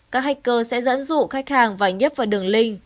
các hacker sẽ dẫn dụ khách hàng và nhấp vào đường link